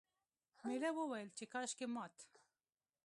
میړه وویل چې کاشکې مات...